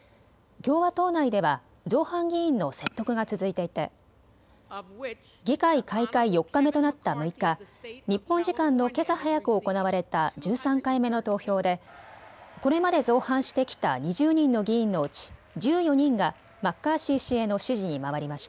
共和党内では造反議員の説得が続いていて議会開会４日目となった６日、日本時間のけさ早く行われた１３回目の投票でこれまで造反してきた２０人の議員のうち１４人がマッカーシー氏への支持に回りました。